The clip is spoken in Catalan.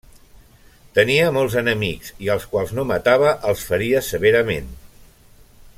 Tenia molts enemics, i als quals no matava els feria severament.